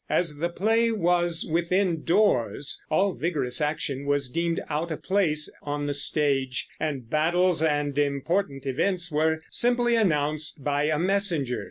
As the play was within doors, all vigorous action was deemed out of place on the stage, and battles and important events were simply announced by a messenger.